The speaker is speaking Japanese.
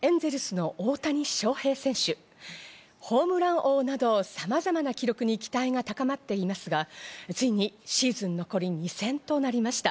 メジャーリーグ、エンゼルスの大谷翔平選手、ホームラン王など、さまざまな記録に期待が高まっていますが、ついにシーズン残り２戦となりました。